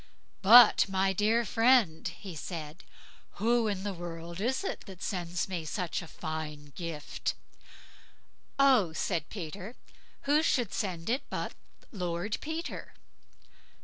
"But, my dear friend", he said, "who in the world is it that sends me such a fine gift?" "Oh!" said Peter, "who should send it but Lord Peter."